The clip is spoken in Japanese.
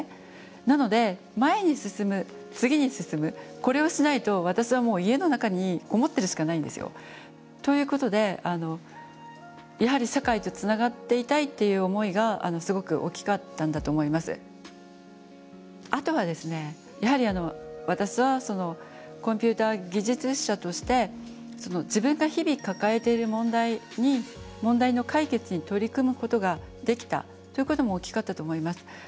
なので前に進む次に進むこれをしないと私はもう家の中にこもってるしかないんですよ。ということでやはりあとはですねやはりあの私はコンピューター技術者として自分が日々抱えている問題に問題の解決に取り組むことができたということも大きかったと思います。